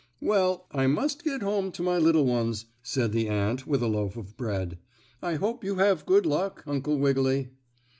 "Well, I must get home to my little ones," said the ant with a loaf of bread. "I hope you have good luck, Uncle Wiggily."